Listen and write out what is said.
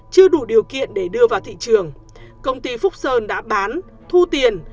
chưa đủ điều kiện để đưa vào thị trường công ty phúc sơn đã bán thu tiền